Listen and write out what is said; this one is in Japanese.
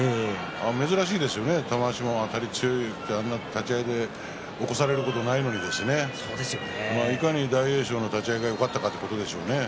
珍しいですよね玉鷲もあたりが強いからあんな立ち合いで起こされることないのにですねいかに大栄翔の立ち合いがよかったかということでしょうね。